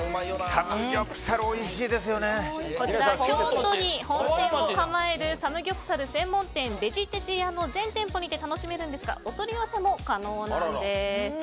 こちら京都に本店を構えるサムギョプサル専門店ベジテジやの全店舗にて楽しめるんですがお取り寄せも可能なんです。